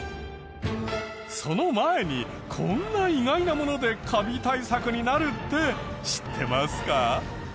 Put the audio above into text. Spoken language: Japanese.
その前にこんな意外なものでカビ対策になるって知ってますか？